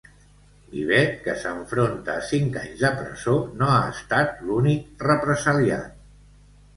Vivet, que s'enfronta a cinc anys de presó, no ha estat l'únic represaliat.